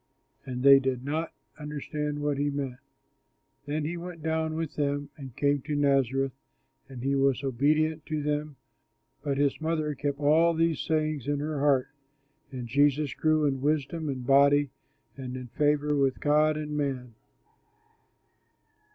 But they did not understand what he meant. Then he went down with them and came to Nazareth; and he was obedient to them; but his mother kept all these sayings in her heart. And Jesus grew in wisdom and body and in favor with God and man.